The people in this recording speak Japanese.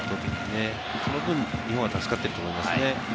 その分、日本は助かっていると思いますね。